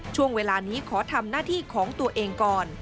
ช่วงเวลานี้ขอทำหน้าที่ของตัวเองก่อน